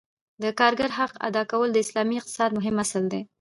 د کارګر حق ادا کول د اسلامي اقتصاد مهم اصل دی.